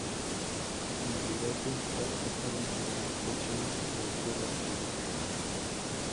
Su finalidad principal estaba en la investigación del suelo lunar.